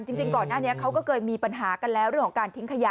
จริงก่อนหน้านี้เขาก็เคยมีปัญหากันแล้วเรื่องของการทิ้งขยะ